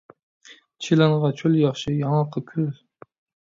چىلانغا چۆل ياخشى، ياڭاققا كۆل